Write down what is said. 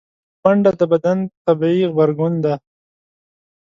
منډه د بدن طبیعي غبرګون دی